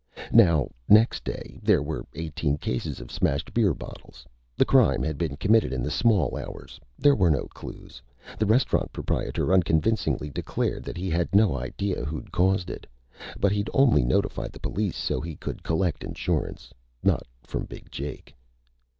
Now, next day, there were eighteen cases of smashed beer bottles. The crime had been committed in the small hours. There were no clues. The restaurant proprietor unconvincingly declared that he had no idea who'd caused it. But he'd only notified the police so he could collect insurance not from Big Jake.